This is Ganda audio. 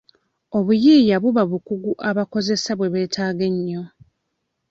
Obuyiiya buba bukugu abakozesa bwe beetaaga ennyo.